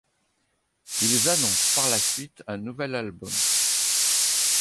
Ils annoncent par la suite un nouvel album.